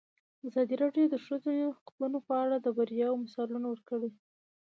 ازادي راډیو د د ښځو حقونه په اړه د بریاوو مثالونه ورکړي.